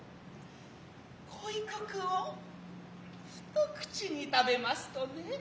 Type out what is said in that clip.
鯉汁を一口に食べますとね